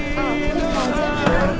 oh kita mau jalan